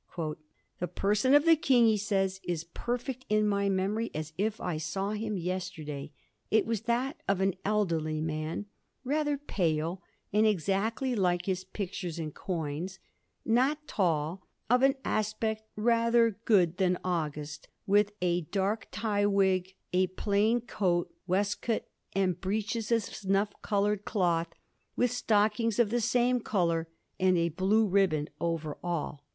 * The person of the Kong,' he says, ' is perfect in my memory as if I saw him yesterday ; it was that of an elderly man, rather pale, and exactly like his pictures and coins ; not tall, of an aspect rather good than august, with a dark tie wig, a plain coat, waistcoat and breeches of snuff coloured cloth, with stockings of the same colour, and a blue riband over all.'